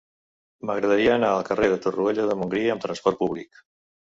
M'agradaria anar al carrer de Torroella de Montgrí amb trasport públic.